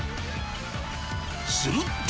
すると。